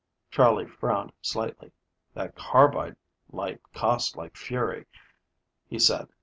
Charley frowned slightly. "That carbide light costs like fury," he said.